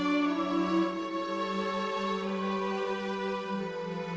ibu ibu ibu